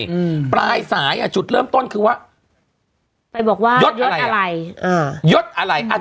อืมปลายสายอ่ะจุดเริ่มต้นคือว่าไปบอกว่ายดยดอะไรอ่ายดอะไรอัน